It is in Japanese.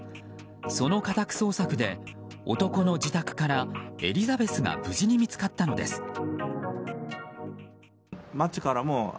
その家宅捜索で男の自宅からエリザベスが無事に見つかったのです。